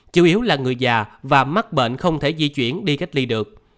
chủ yếu là người già và mắc bệnh không thể di chuyển đi cách ly được